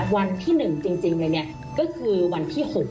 วันที่๑จริงเลยเนี่ยก็คือวันที่๖